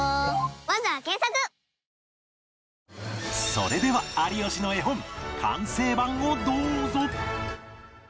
それでは有吉の絵本完成版をどうぞ